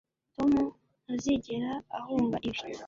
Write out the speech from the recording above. tom ntazigera ahunga ibi